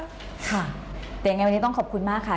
ค่ะแต่ยังไงวันนี้ต้องขอบคุณมากค่ะ